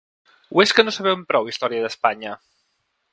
O és que no sabem prou història d’Espanya?